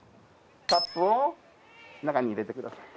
カップを中に入れてください。